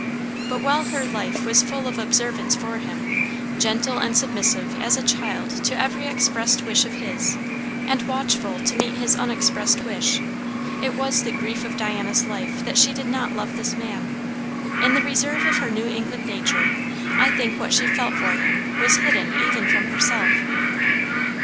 But while her life was full of observance for him, gentle and submissive as a child to every expressed wish of his, and watchful to meet his unexpressed wish, it was the grief of Diana's life that she did not love this man. In the reserve of her New England nature, I think what she felt for him was hidden even from herself.